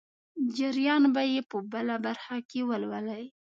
جریان به یې په بله برخه کې ولولئ.